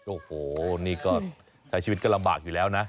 โอ้โหนี่ก็ใช้ชีวิตก็ลำบากอยู่แล้วนะ